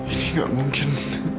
ini gak mungkin